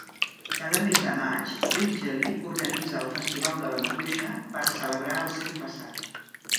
Cada mes de maig, Ridgely organitza el Festival de la maduixa per celebrar el seu passat.